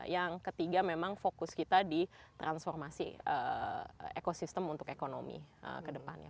yang ketiga memang fokus kita di transformasi ekosistem untuk ekonomi ke depannya